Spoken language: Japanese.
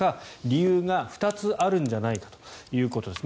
理由が２つあるんじゃないかということです。